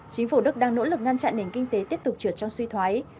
chính phủ đức đang nỗ lực ngăn chặn nền kinh tế tiếp tục trượt trong suy thoái